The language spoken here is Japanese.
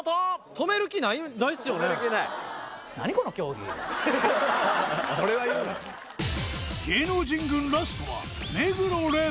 止める気ない・それは言うな芸能人軍ラストは目黒蓮